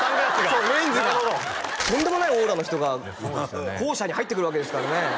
そうレンズがとんでもないオーラの人が校舎に入ってくるわけですからね